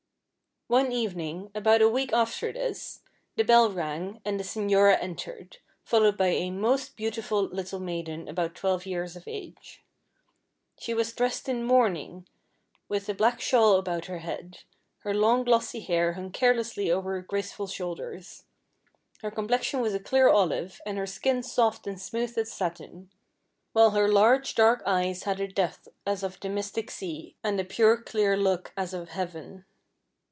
One evening, about a week after this, the bell rang, and the señora entered, followed by a most beautiful little maiden about twelve years of age. She was dressed in mourning, with a black shawl about her head; her long glossy hair hung carelessly over her graceful shoulders; her complexion was a clear olive, and her skin soft and smooth as satin; while her large, dark eyes had a depth as of the mystic sea, and a pure clear look as of heaven.